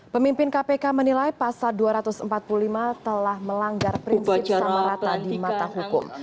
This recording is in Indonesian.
pemimpin kpk menilai pasal dua ratus empat puluh lima telah melanggar prinsip sama rata di mata hukum